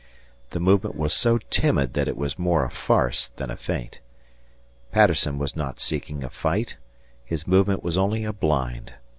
The movement was so timid that it was more a farce than a feint. Patterson was not seeking a fight; his movement was only a blind.